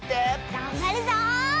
がんばるぞ！